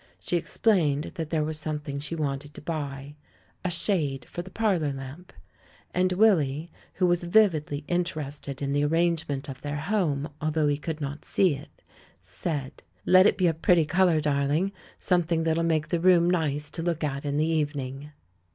She explained that there was something she wanted to buy — a shade for the parlour lamp ; and Willy, who was vividly inter ested in the arrangement of their home although he could not see it, said, "Let it be a pretty colour, darling, something that'll make the room nice to look at in the evening!"